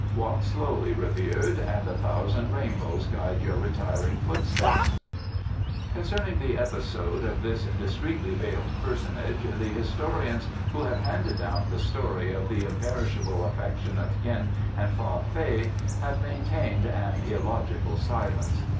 Walk slowly, revered, and a thousand rainbows guide your retiring footsteps." Concerning the episode of this discreetly veiled personage the historians who have handed down the story of the imperishable affection of Hien and Fa Fei have maintained an illogical silence.